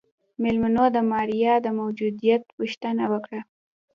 مېلمنو د ماريا د موجوديت پوښتنه وکړه.